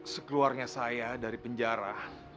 sekeluarnya saya dari penjara